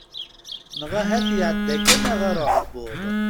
Neɣ ahat iɛedda kan ɣer uɛebbuḍ.